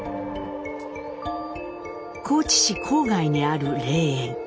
高知市郊外にある霊園。